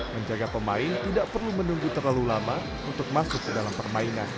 menjaga pemain tidak perlu menunggu terlalu lama untuk masuk ke dalam permainan